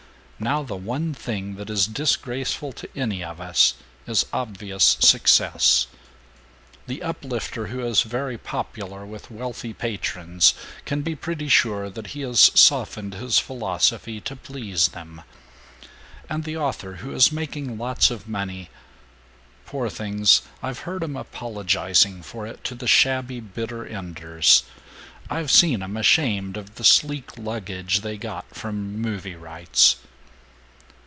Now the one thing that is disgraceful to any of us is obvious success. The Uplifter who is very popular with wealthy patrons can be pretty sure that he has softened his philosophy to please them, and the author who is making lots of money poor things, I've heard 'em apologizing for it to the shabby bitter enders; I've seen 'em ashamed of the sleek luggage they got from movie rights.